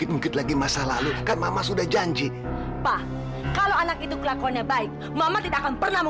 ini semua karena papa